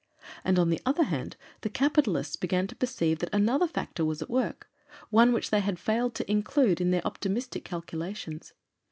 And, on the other hand, the capitalists began to perceive that another factor was at work one which they had failed to include in their optimistic calculations.